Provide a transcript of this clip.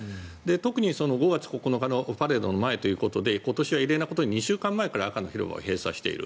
特に５月９日のパレードの前ということで今年は異例なことに２週間前から赤の広場を閉鎖している。